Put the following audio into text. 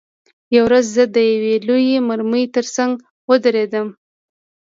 یوه ورځ زه د یوې لویې مرمۍ ترڅنګ ودرېدم